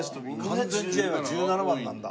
完全試合は１７番なんだ。